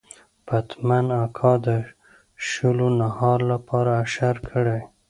پتمن اکا د شولو نهال لپاره اشر کړی.